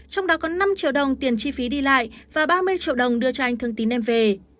trong đó có năm triệu đồng tiền chi phí đi lại và ba mươi triệu đồng đưa cho anh thương tín em về